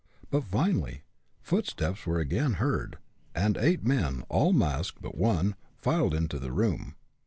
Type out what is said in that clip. But, finally, footsteps were again heard, and eight men, all masked but one, filed into the room.